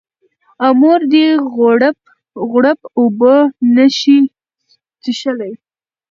او مور دې غوړپ اوبه نه شي څښلی